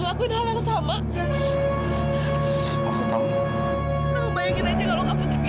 emangnya ada harganya juga kalung ini